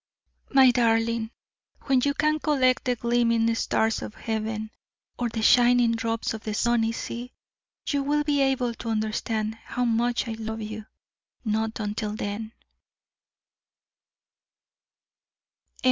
"My darling, when you can collect the gleaming stars of heaven, or the shining drops of the sunny sea, you will be able to understand how much I love you not until then!"